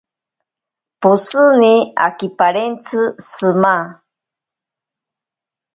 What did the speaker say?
Poshini akiparentsi shima.